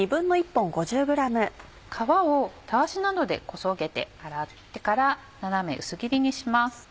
皮をたわしなどでこそげて洗ってから斜め薄切りにします。